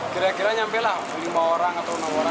kira kira nyampelah lima orang atau enam orang